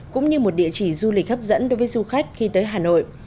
cũng như một địa chỉ du lịch hấp dẫn đối với du khách khi tới hà nội